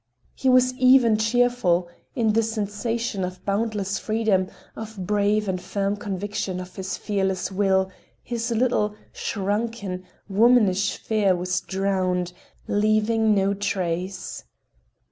He was even cheerful; in the sensation of boundless freedom, of brave and firm conviction of his fearless will, his little, shrunken, womanish fear was drowned, leaving no trace.